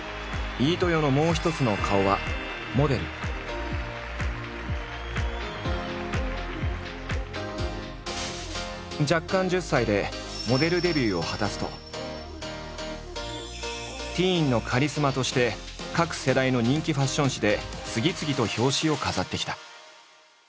飯豊のもう一つの顔は弱冠１０歳でモデルデビューを果たすとティーンのカリスマとして各世代の人気ファッション誌で次々と表紙を飾ってきた。